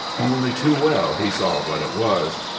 Only too well he saw what it was.